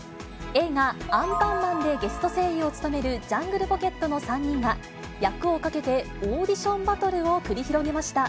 映画、アンパンマンでゲスト声優を務めるジャングルポケットの３人が、役をかけてオーディションバトルを繰り広げました。